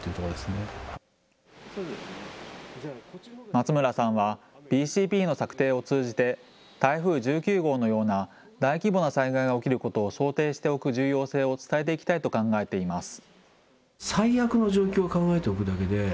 松村さんはＢＣＰの策定を通じて台風１９号のような大規模な災害が起きることを想定しておく重要性を伝えていきたいと考えています。